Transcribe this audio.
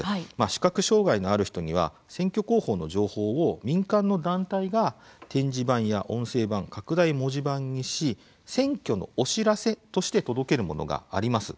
視覚障害のある人には選挙公報の情報を民間の団体が点字版や音声版拡大文字版にし選挙のお知らせとして届けるものがあります。